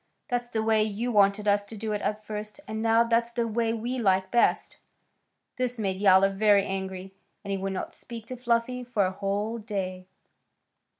That's the way you wanted us to do it at first, and now that's the way we like best." This made Yowler very angry, and he would not speak to Fluffy for a whole day.